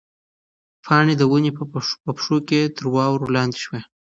پاڼه د ونې په پښو کې تر واورو لاندې شوه.